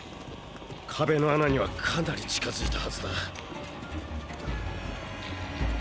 壁の穴にはかなり近づいたはずだ。